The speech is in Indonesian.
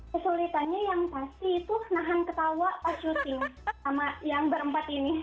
kesulitannya yang pasti itu nahan ketawa pas syuting sama yang berempat ini